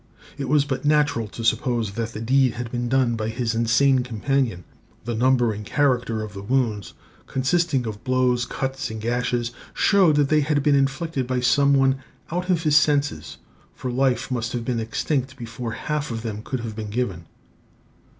It was but natural to suppose that the deed had been done by his insane companion. The number and character of the wounds, consisting of blows, cuts, and gashes, showed that they had been inflicted by some one out of his senses; for life must have been extinct before half of them could have been given.